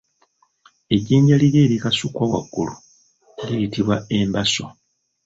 Ejjinja liri erikasukwa waggulu liyitibwa embaso.